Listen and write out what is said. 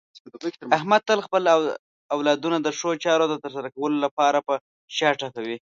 احمد تل خپل اولادونو د ښو چارو د ترسره کولو لپاره په شا ټپوي.